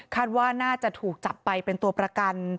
ว่าน่าจะถูกจับไปเป็นตัวประกัน